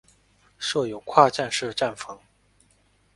设有跨站式站房。